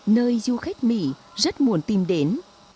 nơi du khách mỹ rất muốn tìm đến